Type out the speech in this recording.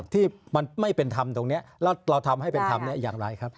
ที่มันไม่เป็นธรรมตรงนี้แล้วเราทำให้เป็นธรรมเนี่ยอย่างไรครับ